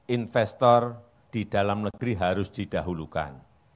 investor di dalam negeri harus didahulukan